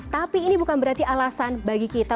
tapi ini bukan berarti alasan bagi kita